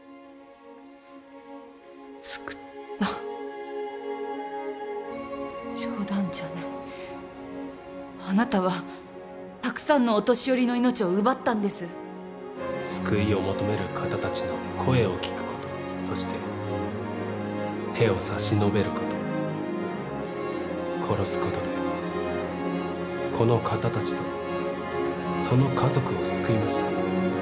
救った冗談じゃないあなたはたくさんのお年寄りの命を奪ったんです救いを求める方達の声を聴くことそして手を差し伸べること殺すことでこの方達とその家族を救いました